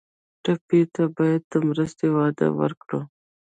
ټپي ته باید د مرستې وعده وکړو.